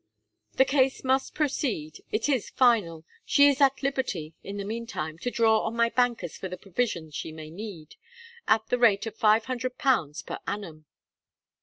The case must proceed. It is final. She is at liberty, in the meantime, to draw on my bankers for the provision she may need, at the rate of five hundred pounds per annum."